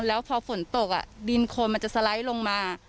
แล้วพอฝนตกดินโคนมันจะสไลด์ลงมา